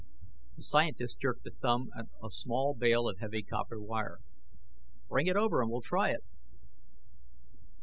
The scientist jerked a thumb at a small bale of heavy copper wire. "Bring it over and we'll try it."